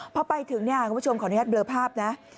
พอไปถึงเนี่ยคุณผู้ชมขออนุญาตเบลอภาพนะ